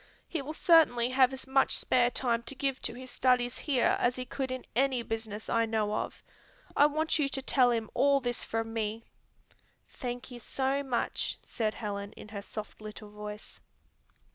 He will certainly have as much spare time to give to his studies here as he could in any business I know of. I want you to tell him all this from me." "Thank you so much," said Helen in her soft little voice.